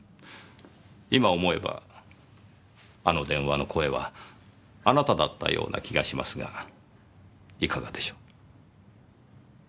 今思えばあの電話の声はあなただったような気がしますがいかがでしょう？